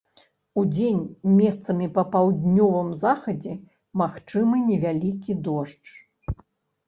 Удзень месцамі па паўднёвым захадзе магчымы невялікі дождж.